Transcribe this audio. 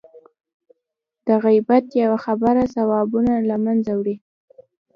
د غیبت یوه خبره ثوابونه له منځه وړي.